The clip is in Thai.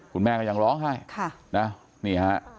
คุณแม่ก็ยังร้องไห้ค่ะนะนี่ฮะ